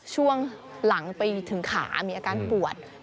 ช่วงหลังไปถึงขามีอาการปวด